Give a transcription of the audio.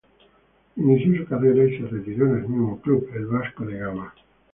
Inició su carrera y se retiró en el mismo club, el Vasco de Gama.